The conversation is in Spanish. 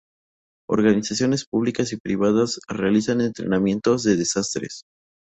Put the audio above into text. Organizaciones públicas y privadas realizan entrenamientos de desastres.